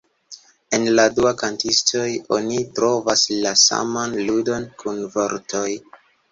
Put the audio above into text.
En la dua kantistoj, oni trovas la saman ludon kun vortoj.